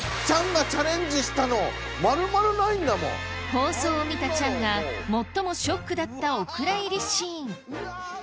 放送を見たチャンが最もショックだったお蔵入りシーン